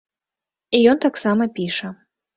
І ён таксама піша.